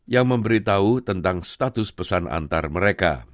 yang memberi tahu tentang status pesan antar mereka